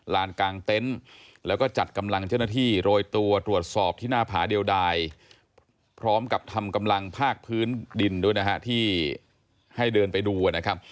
แล้วก็เข้ามาตรงนี้นะครับ